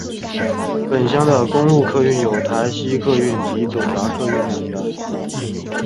本乡的公路客运有台西客运及总达客运两家。